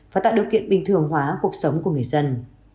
và tạo điều kiện bình thường hóa cuộc sống của người dân